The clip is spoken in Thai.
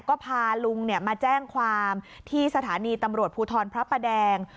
ก็พาลุงมาแจ้งความที่สถานีตำรวจภูทรพระประแดง